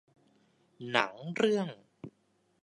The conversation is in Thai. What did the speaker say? หนังเรื่อง